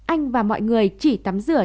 anh và mọi người chỉ tắm rửa